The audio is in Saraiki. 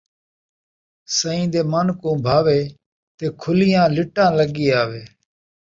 سئیں دے من کوں بھاوے تے کھلیاں لٹاں لڳی آوے